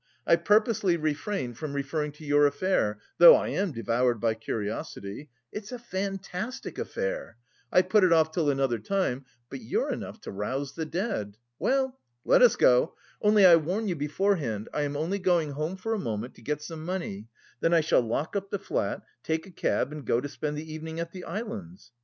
I purposely refrained from referring to your affair, though I am devoured by curiosity. It's a fantastic affair. I've put it off till another time, but you're enough to rouse the dead.... Well, let us go, only I warn you beforehand I am only going home for a moment, to get some money; then I shall lock up the flat, take a cab and go to spend the evening at the Islands.